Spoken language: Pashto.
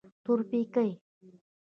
تورپيکۍ.